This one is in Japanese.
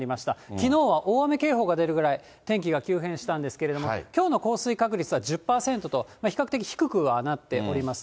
きのうは大雨警報が出るぐらい天気が急変したんですけれども、きょうの降水確率は１０％と、比較的低くはなっております。